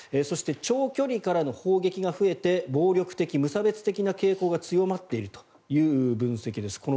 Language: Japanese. そして長距離からの砲撃が増えて暴力的・無差別的な傾向が強まっているという分析です。